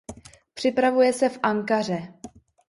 Připravuje se v Ankaře.